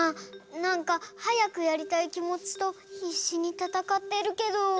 なんかはやくやりたいきもちとひっしにたたかってるけど。